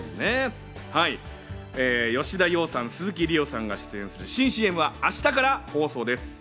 吉田羊さん、鈴木梨央さんが出演する新ＣＭは明日から放送です。